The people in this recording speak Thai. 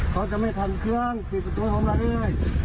เค้าจะไม่ทันเครื่องพิกัดตัวผมเลย